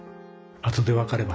あとでわかれば。